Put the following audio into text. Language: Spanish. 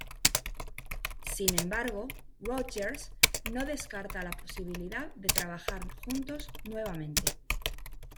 Sin embargo, Rodgers no descarta la posibilidad de trabajar juntos nuevamente.